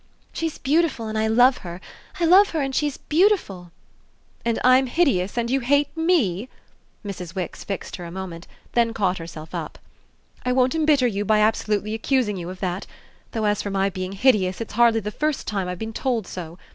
"She's beautiful and I love her! I love her and she's beautiful!" "And I'm hideous and you hate ME?" Mrs. Wix fixed her a moment, then caught herself up. "I won't embitter you by absolutely accusing you of that; though, as for my being hideous, it's hardly the first time I've been told so!